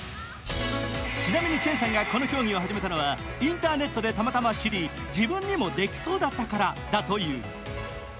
ちなみにチェンさんがこの競技を始めたのはインターネットでたまたま知り、自分にもできそうだったからだという。